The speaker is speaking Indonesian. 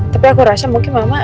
tapi aku rasa mungkin mama